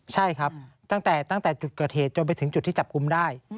ใช่ครับตั้งแต่จุดเกิดเหตุจนไปถึงจุดที่จับกลุ่มได้